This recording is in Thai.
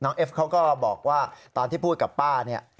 เอฟเขาก็บอกว่าตอนที่พูดกับป้าเนี่ย